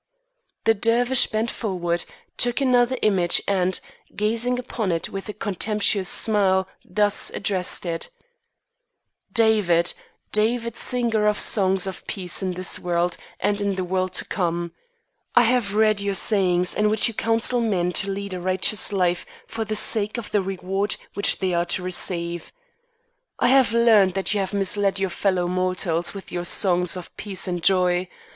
The Dervish bent forward, took another image and, gazing upon it with a contemptuous smile, thus addressed it: "David, David, singer of songs of peace in this world and in the world to come, I have read your sayings in which you counsel men to lead a righteous life for the sake of the reward which they are to receive. I have learned that you have misled your fellow mortals with your songs of peace and joy.